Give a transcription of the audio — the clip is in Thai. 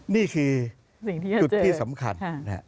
นี่คือจุดที่สำคัญ